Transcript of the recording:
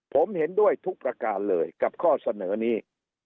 ผมเห็นด้วยทุกประการเลยกับข้อเสนอนี้